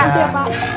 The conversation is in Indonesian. terima kasih pak